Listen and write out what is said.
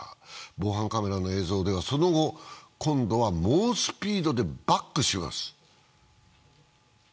防犯カメラの映像ではその後、今度は猛スピードでバックします。